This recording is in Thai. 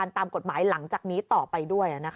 ตามกฎหมายหลังจากนี้ต่อไปด้วย